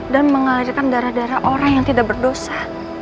dan mengalirkan darah darah orang yang tidak berdosa